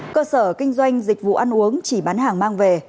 cơ sở kinh doanh dịch vụ ăn uống chỉ bán hàng mang về